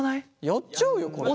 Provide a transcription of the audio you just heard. やっちゃうよこれ。